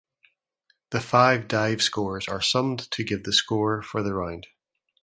The five dive scores are summed to give the score for the round.